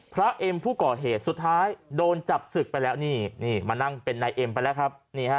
เอ็มผู้ก่อเหตุสุดท้ายโดนจับศึกไปแล้วนี่นี่มานั่งเป็นนายเอ็มไปแล้วครับ